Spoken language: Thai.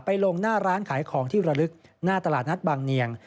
ลงหน้าร้านขายของที่ระลึกหน้าตลาดนัดบางเนียง